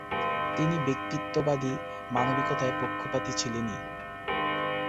তিনি ব্যক্তিত্ববাদী মানবিকতায় পক্ষপাতী ছিলেনই।